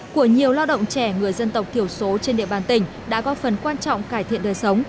của nhiều lao động trẻ người dân tộc thiểu số trên địa bàn tỉnh đã góp phần quan trọng cải thiện đời sống